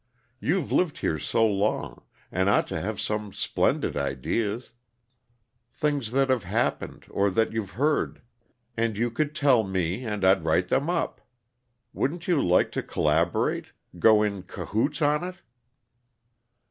You've lived here so long, and ought to have some splendid ideas things that have happened, or that you've heard and you could tell me, and I'd write them up. Wouldn't you like to collaborate 'go in cahoots' on it?"